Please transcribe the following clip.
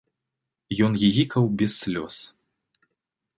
Ён гігікаў без слёз.